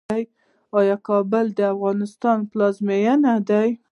آیا کابل د افغانستان پلازمینه ده؟